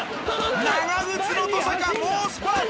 長靴の登坂猛スパート！